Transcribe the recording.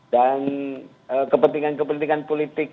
dan kepentingan kepentingan politik